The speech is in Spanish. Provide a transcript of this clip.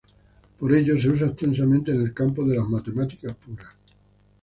Por ello se usa extensamente en el campo de las matemáticas puras.